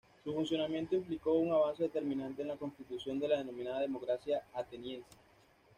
Su funcionamiento implicó un avance determinante en la constitución de la denominada democracia ateniense.